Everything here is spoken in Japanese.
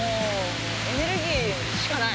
エネルギーしかない。